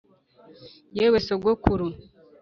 yewe sogokuru